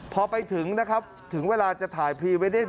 พอไปถึงนะครับถึงเวลาจะถ่ายพรีเวด